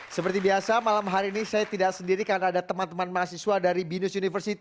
seperti biasa malam hari ini saya tidak sendiri karena ada teman teman mahasiswa dari binus university